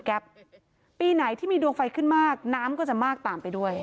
ปีไหนที่มีดวงไฟขึ้นมากน้ำก็จะมากตามไปด้วย